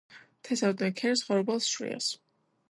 თესავდნენ ქერს, ხორბალს, შვრიას.